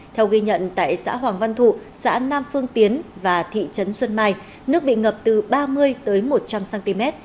theo ghi nhận tại xã hoàng văn thụ xã nam phương tiến và thị trấn xuân mai nước bị ngập từ ba mươi tới một trăm linh cm